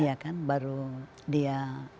iya kan baru dia